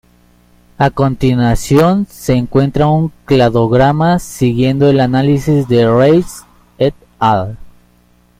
A continuación se encuentra un cladograma siguiendo el análisis de Reisz "et al.